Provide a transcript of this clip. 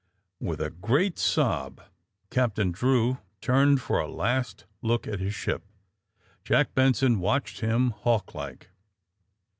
With a great sob Captain Drew turned for a last look at his ship. Jack Benson watched him, hawk like.